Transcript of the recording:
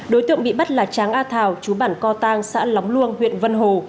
đối tượng bị bắt là tráng a thảo chú bản co tăng xã lóng luôn huyện văn hồ